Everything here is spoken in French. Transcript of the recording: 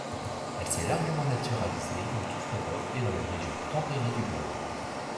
Elle s'est largement naturalisée dans toute l'Europe et dans les régions tempérées du globe.